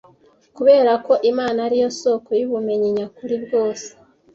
Kubera ko Imana ari yo Sōko y’ubumenyi nyakuri bwose